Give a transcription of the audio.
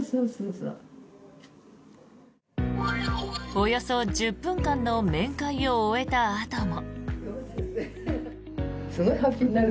およそ１０分間の面会を終えたあとも。